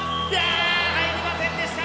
入りませんでした！